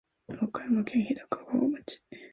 和歌山県日高川町